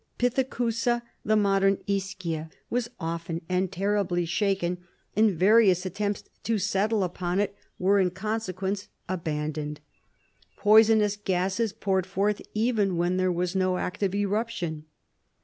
Pithecusa, the modern Ischia, was often and terribly shaken, and various attempts to settle upon it were in consequence abandoned. Poisonous gases poured forth, even when there was no active eruption.